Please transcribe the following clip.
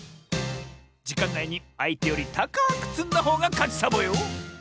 じかんないにあいてよりたかくつんだほうがかちサボよ！